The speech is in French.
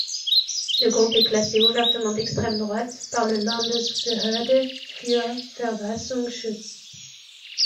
Le groupe est classé ouvertement d'extrême-droite par le Landesbehörde für Verfassungsschutz.